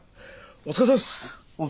お疲れさまです。